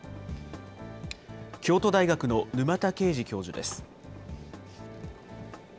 京都大学の沼田圭司教授です。